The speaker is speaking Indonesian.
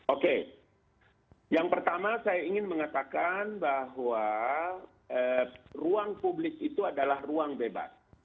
oke yang pertama saya ingin mengatakan bahwa ruang publik itu adalah ruang bebas